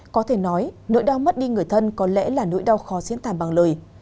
có thể nói nỗi đau mất đi người thân có lẽ là nỗi đau khó xiến tàn bằng lời